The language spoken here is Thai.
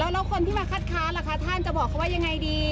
แล้วคนที่มาคัดค้านล่ะคะท่านจะบอกเขาว่ายังไงดี